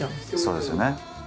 そうですよね。